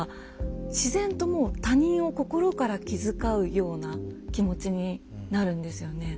自然ともう他人を心から気遣うような気持ちになるんですよね。